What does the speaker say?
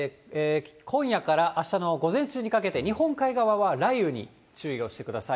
今夜からあしたの午前中にかけて、日本海側は雷雨に注意をしてください。